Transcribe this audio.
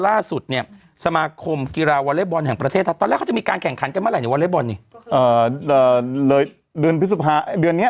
ล่าสุดเนี้ยสมาคมกีฬาวอเล็ตบอลแห่งประเทศธรรมตอนแรกเขาจะมีการแข่งขันกันเมื่อไหร่เนี้ย